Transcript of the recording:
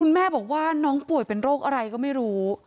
แม่บอกว่าน้องป่วยเป็นโรคอะไรก็ไม่รู้